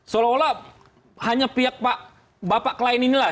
seolah olah hanya pihak pak bapak klien inilah